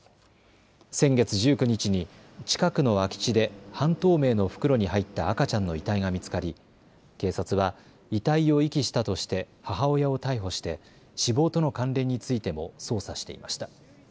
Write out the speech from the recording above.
先月１９日に近くの空き地で半透明の袋に入った赤ちゃんの遺体が見つかり警察は遺体を遺棄したとして母親を逮捕して死亡との関連についても捜査していました。